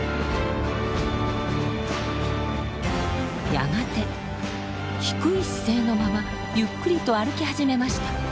やがて低い姿勢のままゆっくりと歩き始めました。